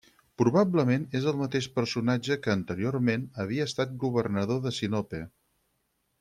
Probablement és el mateix personatge que anteriorment havia estat governador de Sinope.